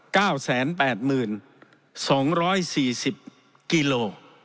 เก้าแสนแปดหมื่นสองร้อยสี่สิบกิโล